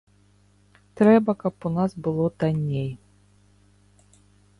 Трэба, каб у нас было танней.